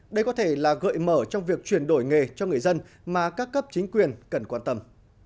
đây có thể là gợi mở trong việc chuyển đổi nghề cho người dân mà các cấp chính quyền cần quan tâm